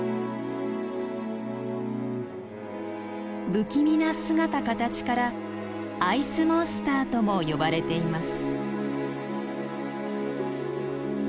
不気味な姿かたちからアイスモンスターとも呼ばれています。